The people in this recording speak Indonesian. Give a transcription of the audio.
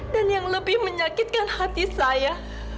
dan yang lebih menyakitkan hati saya